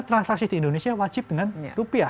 transaksi di indonesia wajib dengan rupiah